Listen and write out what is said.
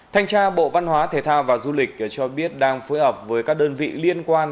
thanh tra bộ văn hóa thể thao và du lịch cho biết đang phối hợp với các đơn vị liên quan